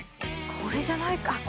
これじゃないか。